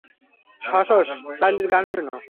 শশশ চার্লির গান শুনো।